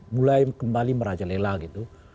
mulai kembali merajalela gitu